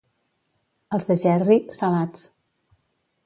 Els de Gerri, salats.